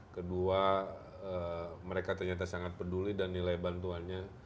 kedua mereka ternyata sangat peduli dan nilai bantuannya